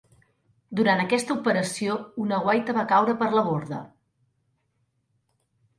Durant aquesta operació, un guaita va caure per la borda.